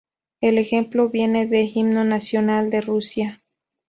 El ejemplo viene del Himno nacional de Rusia.